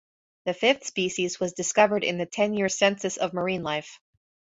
The fifth species was discovered in the ten-year Census of Marine Life.